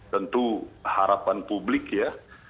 tentu harapan publik ya